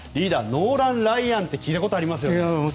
ノーラン・ライアンって聞いたことありますよね。